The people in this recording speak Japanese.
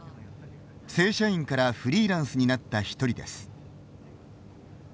正社員からフリーランスになった一人です。